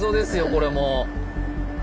これも。